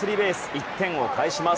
１点を返します。